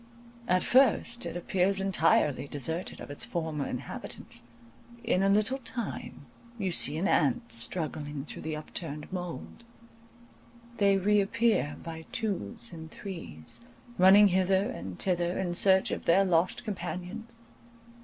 At first it appears entirely deserted of its former inhabitants; in a little time you see an ant struggling through the upturned mould; they reappear by twos and threes, running hither and thither in search of their lost companions.